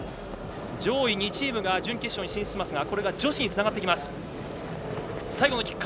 上位２チームが準決勝に進出しますがこれが女子につながってきます。